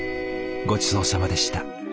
ごちそうさまでした。